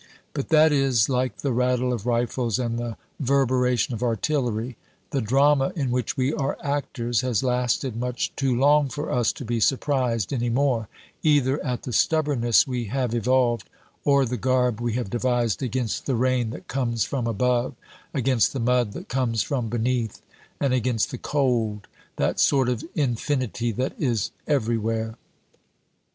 But that is like the rattle of rifles and the verberation of artillery. The drama in which we are actors has lasted much too long for us to be surprised any more, either at the stubbornness we have evolved or the garb we have devised against the rain that comes from above, against the mud that comes from beneath, and against the cold that sort of infinity that is everywhere.